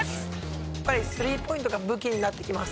やっぱりスリーポイントが武器になってきます。